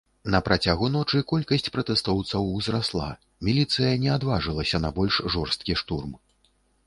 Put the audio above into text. На працягу ночы колькасць пратэстоўцаў узрасла, міліцыя не адважылася на больш жорсткі штурм.